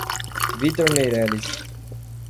Vitor Meireles